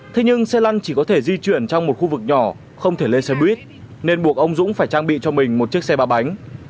thế nhưng xe lăn chỉ có thể di chuyển trong một khu vực nhỏ không thể lên xe buýt nên buộc ông dũng phải trang bị cho mình một chiếc xe ba bánh